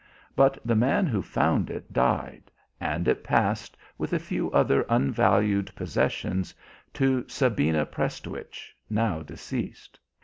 But the man who found it died, and it passed with a few other unvalued possessions to Sabina Prestwich, now deceased.